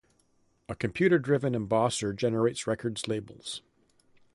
A computer-driven embosser generates records labels.